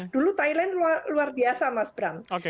dulu thailand luar biasa mas bram